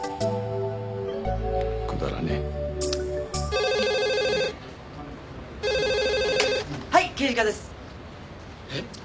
くだらねぇ・☎はい刑事課ですえっ